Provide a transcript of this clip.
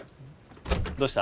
どうした？